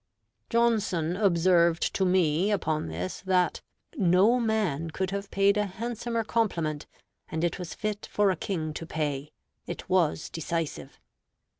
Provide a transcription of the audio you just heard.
Johnson observed to me, upon this, that "No man could have paid a handsomer compliment; and it was fit for a King to pay. It was decisive."